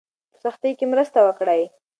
په سختۍ کې مرسته وکړئ.